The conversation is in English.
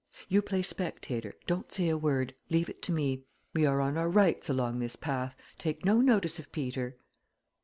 "You play spectator don't say a word. Leave it to me. We are on our rights along this path take no notice of Peter."